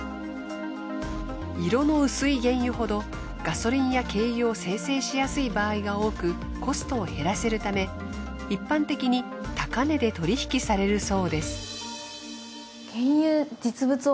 色の薄い原油ほどガソリンや軽油を精製しやすい場合が多くコストを減らせるため一般的に高値で取引されるそうです。